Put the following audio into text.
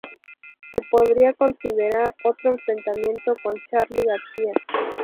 Se podría considerar otro enfrentamiento con Charly García.